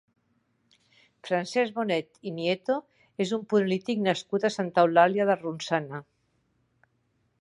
Francesc Bonet i Nieto és un polític nascut a Santa Eulàlia de Ronçana.